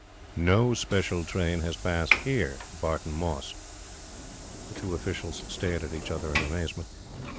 "No special train has passed here. Barton Moss." The two officials stared at each other in amazement.